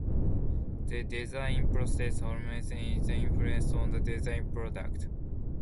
The design process always has an influence on the design product.